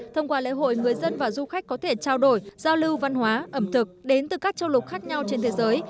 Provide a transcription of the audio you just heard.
thông qua lễ hội người dân và du khách có thể trao đổi giao lưu văn hóa ẩm thực đến từ các châu lục khác nhau trên thế giới